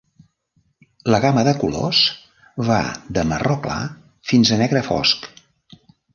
La gama de colors va de marró clar fins a negre fosc.